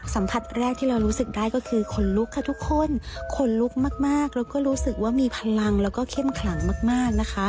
สัมผัสแรกที่เรารู้สึกได้ก็คือขนลุกค่ะทุกคนขนลุกมากแล้วก็รู้สึกว่ามีพลังแล้วก็เข้มขลังมากนะคะ